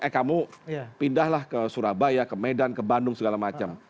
eh kamu pindahlah ke surabaya ke medan ke bandung segala macam